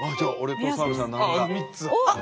ああ３つ。